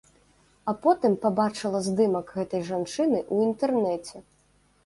А потым пабачыла здымак гэтай жанчыны ў інтэрнэце.